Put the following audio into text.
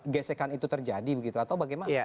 gesekan itu terjadi begitu atau bagaimana